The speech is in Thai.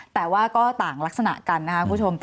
แต่ว่าก็ต่างลักษณะกันนะครับคุณผู้ชม